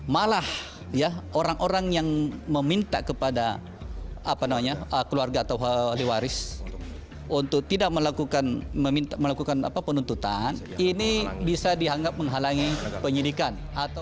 malah orang orang yang meminta kepada keluarga atau ahli waris untuk tidak melakukan penuntutan ini bisa dianggap menghalangi penyidikan